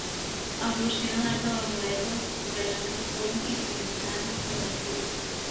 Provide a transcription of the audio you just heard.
Evolucionà l'art de la muleta torejant de front i citant de perfil.